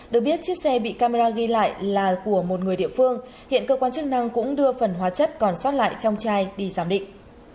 được biết chiếc xe bị camera ghi lại là của một người địa phương hiện cơ quan chức năng cũng đưa phần hóa chất còn sót lại trong chai đi giám định